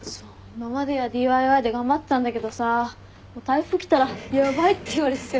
今まではＤＩＹで頑張ってたんだけどさ台風来たらヤバいって言われてて。